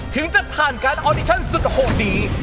ถึงจะผ่านการออดิชั่นสุขดี